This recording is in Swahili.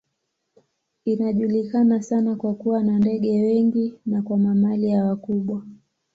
Inajulikana sana kwa kuwa na ndege wengi na kwa mamalia wakubwa.